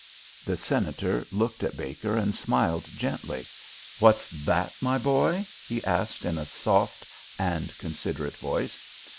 The Senator looked at Baker and smiled gently. "What's that, my boy?" he asked in a soft and considerate voice.